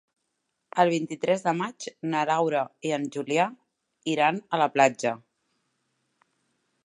El vint-i-tres de maig na Laura i en Julià iran a la platja.